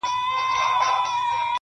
چا ته لا سکروټي یم سور اور یمه,